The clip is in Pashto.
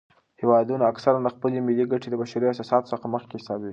هیوادونه اکثراً خپلې ملي ګټې د بشري احساساتو څخه مخکې حسابوي.